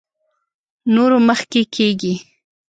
نورو مخکې کېږي.